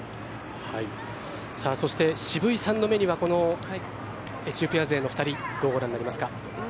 そして渋井さんの目にはこのエチオピア勢の２人どうご覧になりますか？